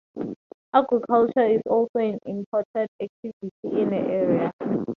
Agriculture is also an important activity in the area.